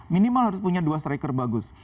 minimal harus punya dua striker bagus